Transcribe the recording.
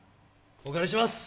お借りします